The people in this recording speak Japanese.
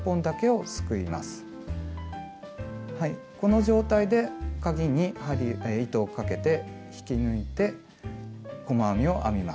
この状態でかぎに糸をかけて引き抜いて細編みを編みます。